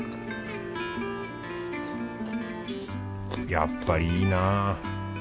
やっぱいいな。